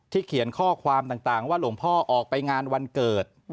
เขียนข้อความต่างว่าหลวงพ่อออกไปงานวันเกิด